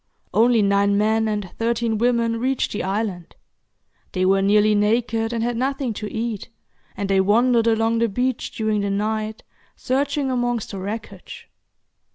Only nine men and thirteen women reached the island; they were nearly naked and had nothing to eat, and they wandered along the beach during the night, searching amongst the wreckage.